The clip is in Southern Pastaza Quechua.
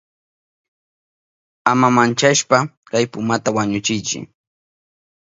Ama manchashpa kay pumata wañuchiychi.